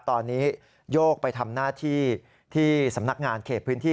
ตอนนี้โยกไปทำหน้าที่ที่สำนักงานเขตพื้นที่